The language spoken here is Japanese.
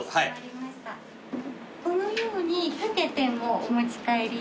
このように掛けてもお持ち帰り。